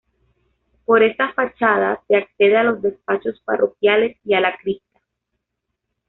Por esta fachada se accede a los despachos parroquiales y a la cripta.